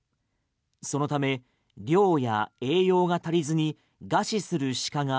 そのため量や栄養が足りずに餓死する鹿が